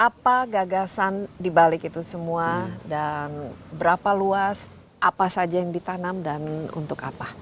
apa gagasan dibalik itu semua dan berapa luas apa saja yang ditanam dan untuk apa